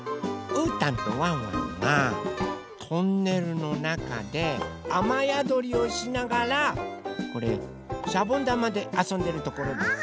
うーたんとワンワンがトンネルのなかであまやどりをしながらこれしゃぼんだまであそんでるところです。